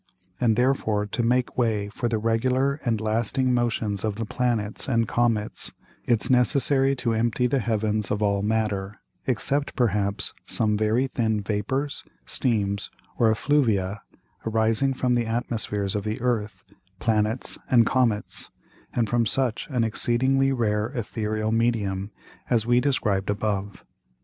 And therefore to make way for the regular and lasting Motions of the Planets and Comets, it's necessary to empty the Heavens of all Matter, except perhaps some very thin Vapours, Steams, or Effluvia, arising from the Atmospheres of the Earth, Planets, and Comets, and from such an exceedingly rare Æthereal Medium as we described above.